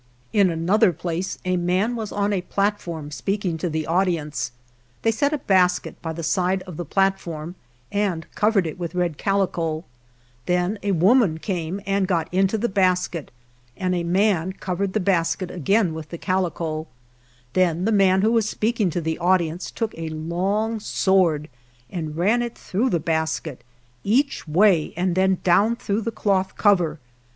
In another place a man was on a platform speaking to the audience; they set a basket by the side of the platform and covered it with red calico ; then a woman came and got into the basket, and a man covered the basket again with the calica; then the man 199 GERONIMO who was speaking to the audience took a long sword and ran it through the basket, each way, and then down through the cloth cover.